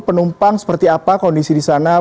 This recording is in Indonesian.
penumpang seperti apa kondisi di sana